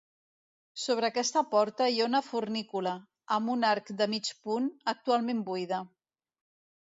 Sobre aquesta porta hi ha una fornícula, amb un arc de mig punt, actualment buida.